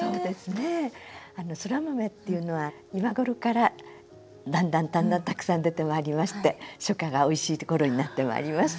そら豆っていうのは今頃からだんだんだんだんたくさん出てまいりまして初夏がおいしい頃になってまいります。